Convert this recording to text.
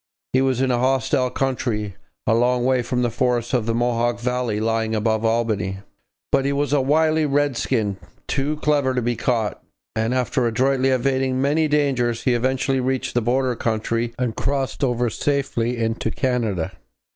He was in a hostile country, a long way from the forests of the Mohawk valley lying above Albany. But he was a wily redskin, too clever to be caught, and after adroitly evading many dangers he eventually reached the border country and crossed over safely into Canada.